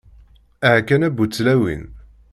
Aha kan a bu-tlawin!